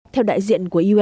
theo đại diện của usa